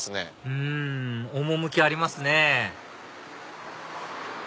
うん趣ありますね